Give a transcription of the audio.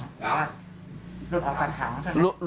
หลุดออกจากขังใช่ไหม